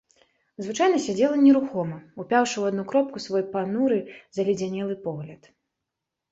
Звычайна сядзела нерухома, упяўшы ў адну кропку свой пануры заледзянелы погляд.